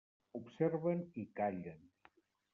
Observen i callen.